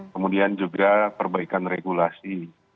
kemudian juga perbaikan regulasi